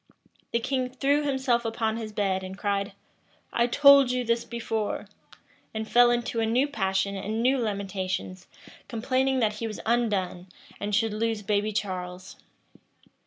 The king threw himself upon his bed, and cried, "I told you this before;" and fell into a new passion and new lamentations, complaining that he was undone, and should lose baby Charles.